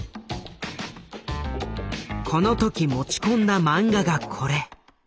この時持ち込んだ漫画がこれ。